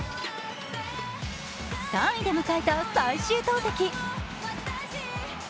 ３位で迎えた最終投てき。